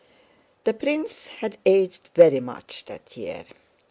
The prince had aged very much that year.